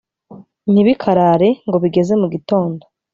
ntibikarare ngo bigeze mu gitondo